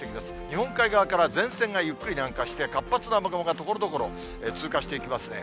日本海側から前線がゆっくり南下して、活発な雨雲がところどころ通過していきますね。